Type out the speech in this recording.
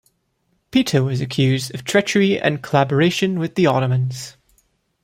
Peter was accused of treachery and collaboration with the Ottomans.